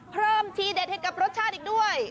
เพิ่มทีเด็ดเห็นกับรสชาติอีกด้วย